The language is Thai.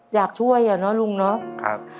อยากช่วยอ่ะปู่น้องซ์เนอะครับ